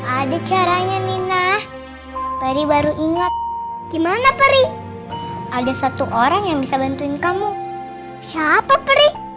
adik caranya nina peri baru ingat gimana peri ada satu orang yang bisa bantuin kamu siapa peri